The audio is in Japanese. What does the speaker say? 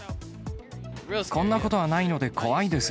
こんなことはないので怖いです。